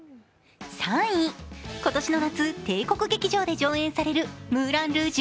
今年の夏、帝国劇場で上演される「ムーラン・ルージュ！